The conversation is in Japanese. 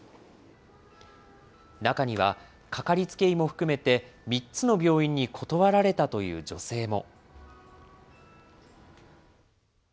中には、かかりつけ医も含めて３つの病院に断られたという女性も。